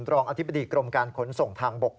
รองอธิบดีกรมการขนส่งทางบก